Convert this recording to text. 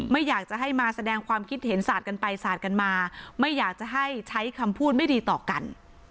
ไม่อยากจะให้มาแสดงความคิดเห็นสาดกันไปสาดกันมาไม่อยากจะให้ใช้คำพูดไม่ดีต่อกัน